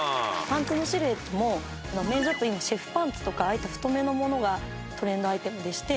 パンツのシルエットもメンズって今シェフパンツとかああいった太めのものがトレンドアイテムでして。